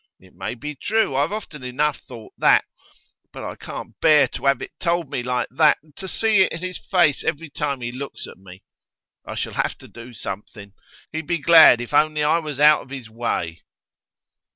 It may be true; I've often enough thought it. But I can't bear to have it told me like that, and to see it in his face every time he looks at me. I shall have to do something. He'd be glad if only I was out of his way.